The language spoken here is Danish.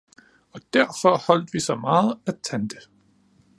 Og derfor holdt vi så meget af tante